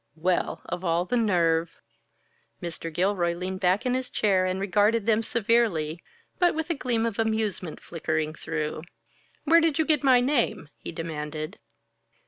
"Well, of all the nerve!" Mr. Gilroy leaned back in his chair and regarded them severely, but with a gleam of amusement flickering through. "Where did you get my name?" he demanded.